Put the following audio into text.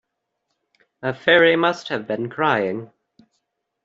A fairy must have been crying.